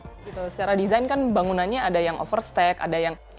gitu secara desain kan bangunannya ada yang over stack ada yang ini kita angkat